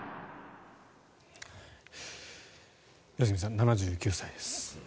良純さん、７９歳です。